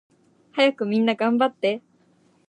はやくみんながんばって